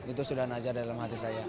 itu sudah najar dalam hati saya